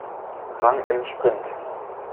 Rang im Sprint.